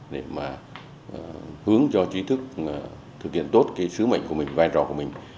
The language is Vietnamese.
để mà hướng cho trí thức thực hiện tốt cái sứ mệnh của mình vai trò của mình